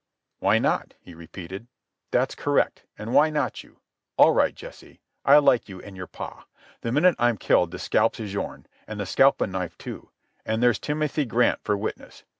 "Why not?" he repeated. "That's correct, and why not you? All right, Jesse. I like you, and your pa. The minute I'm killed the scalps is yourn, and the scalpin' knife, too. And there's Timothy Grant for witness.